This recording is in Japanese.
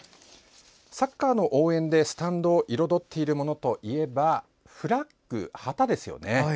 サッカーの応援でスタンドを彩っているものといえばフラッグ、旗ですよね。